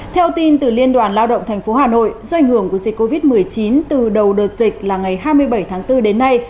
theo tin từ liên đoàn lao động tp hà nội do ảnh hưởng của dịch covid một mươi chín từ đầu đợt dịch là ngày hai mươi bảy tháng bốn đến nay